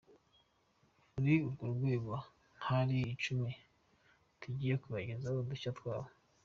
Ni muri urwo rwego hari icumi tugiye kubagezaho udushya twabo.